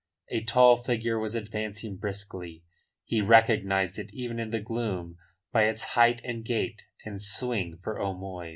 A tall figure was advancing briskly. He recognised it even in the gloom by its height and gait and swing for O'Moy's.